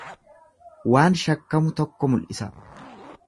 Waan shakkamu tokko mul'isa.